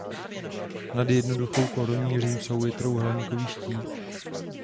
Nad jednoduchou korunní římsou je trojúhelníkový štít.